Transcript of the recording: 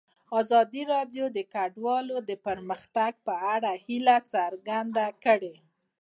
ازادي راډیو د کډوال د پرمختګ په اړه هیله څرګنده کړې.